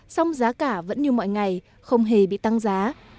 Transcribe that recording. song giá cả vẫn như mọi ngày không hề bị tăng giá